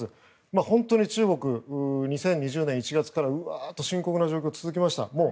本当に中国、２０２０年１月から深刻な状況が続きました。